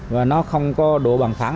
và nó không có độ bằng thẳng